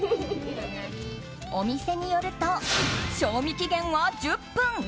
お店によると賞味期限は１０分！